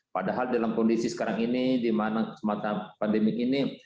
padahal dalam kondisi sekarang ini di mana semata pandemik ini